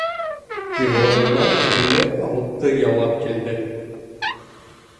Иғланыма илле алты яуап килде!